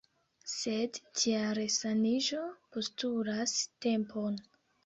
Sed tia resaniĝo postulas tempon.